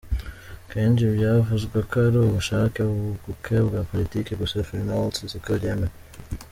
Kenshi byavuzwe ko ari ubushake buke bwa Politiki gusa Farenholtz siko abyemera.